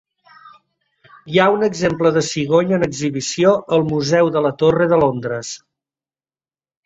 Hi ha un exemple de cigonya en exhibició al museu de la Torre de Londres.